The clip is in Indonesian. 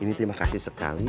ini terima kasih sekali